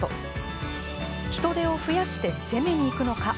人手を増やして、攻めにいくのか。